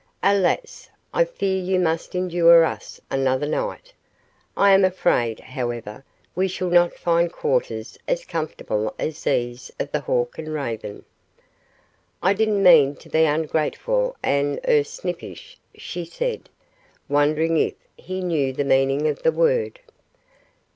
"Alas, I fear you must endure us another night. I am afraid, however, we shall not find quarters as comfortable as these of the Hawk and Raven." "I didn't mean to be ungrateful and er snippish," she said, wondering if he knew the meaning of the word.